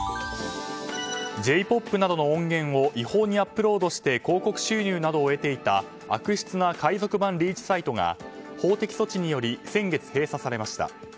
Ｊ‐ＰＯＰなどの音源を違法にアップロードして広告収入などを得ていた悪質な海賊版リーチサイトが法的措置により先月閉鎖されました。